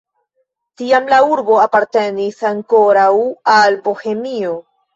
Tiam la urbo apartenis ankoraŭ al Bohemio.